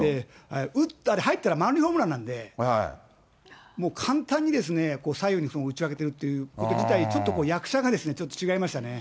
入ったら満塁ホームランなんで、もう簡単に左右に打ち分けているっていうこと自体、ちょっと役者がちょっと違いましたね。